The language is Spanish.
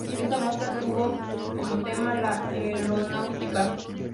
Esta muestra tuvo como tema la aeronáutica.